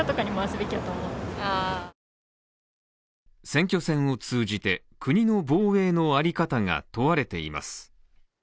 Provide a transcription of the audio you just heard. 選挙戦を通じて国の防衛の在り方が問われています。